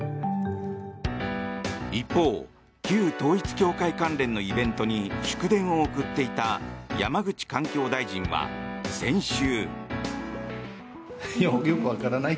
一方旧統一教会関連のイベントに祝電を送っていた山口環境大臣は先週。